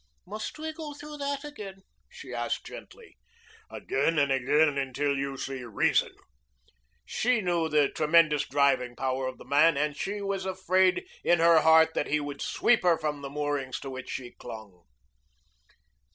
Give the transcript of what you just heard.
"Must we go through that again?" she asked gently. "Again and again until you see reason." She knew the tremendous driving power of the man and she was afraid in her heart that he would sweep her from the moorings to which she clung.